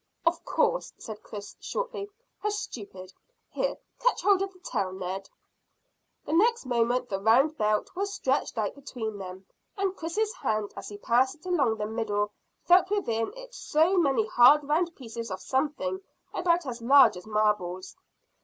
"Of course," said Chris shortly. "How stupid! Here, catch hold of the tail, Ned." The next moment the round belt was stretched out between them, and Chris's hand as he passed it along the middle felt within it so many hard round pieces of something about as large as marbles.